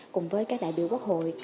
cùng với các đại biểu quốc hội